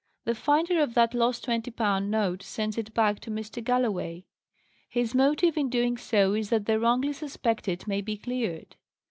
"The finder of that lost twenty pound note sends it back to Mr. Galloway. His motive in doing so is that the wrongly suspected may be cleared.